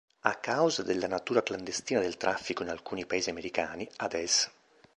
A causa della natura clandestina del traffico in alcuni paesi americani, ad es.